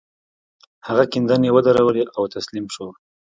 هغه کيندنې ودرولې او تسليم شو.